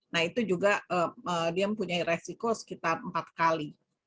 nah itu juga dia mempunyai resiko sekitar empat kali